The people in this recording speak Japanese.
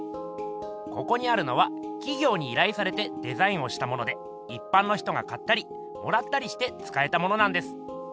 ここにあるのはきぎょうにいらいされてデザインをしたものでいっぱんの人が買ったりもらったりしてつかえたものなんです。